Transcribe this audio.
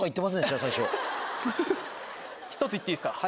ひとつ言っていいですか？